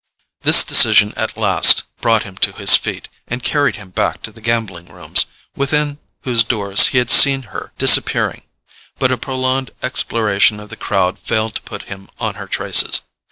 This decision at last brought him to his feet, and carried him back to the gambling rooms, within whose doors he had seen her disappearing; but a prolonged exploration of the crowd failed to put him on her traces.